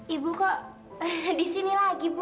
ibu kok disini lagi bu